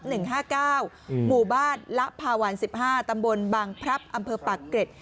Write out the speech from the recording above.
หมู่บ้านละภาวัน๑๕ตำบลบังพลับอำเภอปากเกร็ด